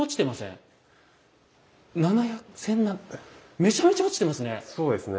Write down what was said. ７００めちゃめちゃ落ちてますね！